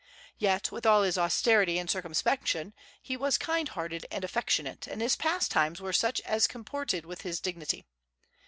Yet, with all his austerity and circumspection, he was kind hearted and affectionate, and his pastimes were such as comported with his dignity.